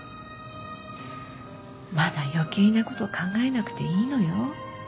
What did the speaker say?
まだ余計なこと考えなくていいのよ